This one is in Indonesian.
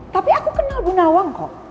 tapi aku kenal bu nawang kok